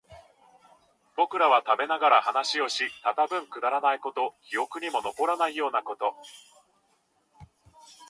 僕らは食べながら話をした。たぶんくだらないこと、記憶にも残らないようなこと。